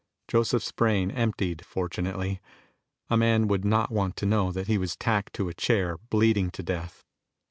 Joseph's brain emptied, fortunately; a man would not want to know that he was tacked to a chair, bleeding to death.